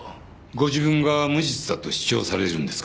ご自分が無実だと主張されるんですか？